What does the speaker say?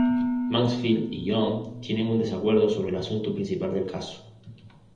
Mansfield y John tienen un desacuerdo sobre asunto principal del caso.